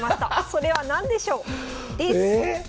それは何でしょう？です！え？